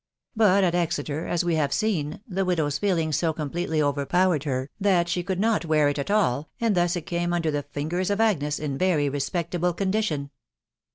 But at Exeter, as we have seen, the widow's feeMngs so completely overpowered her, that she could Jiot wear it at all, and thus it eame under . the fin gers of Agnes in very respectable condition.